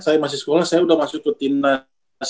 saya masih sekolah saya sudah masuk ke timnas